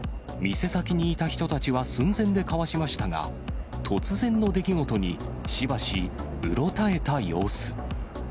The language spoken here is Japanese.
店先にいた人たちは寸前でかわしましたが、突然の出来事に、しばし、うろたえた様子。